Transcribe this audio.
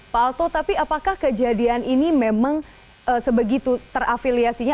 pak alto tapi apakah kejadian ini memang sebegitu terafiliasinya